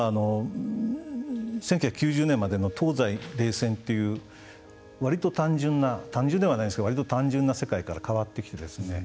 １９９０年までの東西冷戦という割と単純な単純ではないんですけど割と単純な世界から変わってきてですね